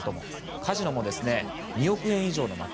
カジノも２億円以上の負け。